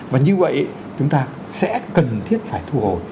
và như vậy chúng ta sẽ cần thiết phải thu hồi